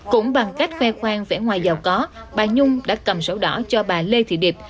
cũng bằng cách khoe khoang vẽ ngoài giàu có bà nhung đã cầm sổ đỏ cho bà lê thị điệp